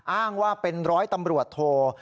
อ้างว่าเป็นร้อยตำรวจโท